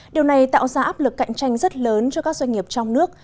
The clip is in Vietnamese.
điều này tạo ra áp lực cạnh tranh rất lớn cho các doanh nghiệp trong nước